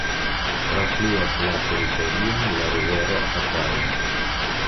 Trafluas la teritorion la rivero Adaja.